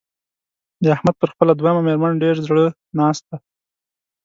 د احمد پر خپله دويمه مېرمنه ډېر زړه ناست دی.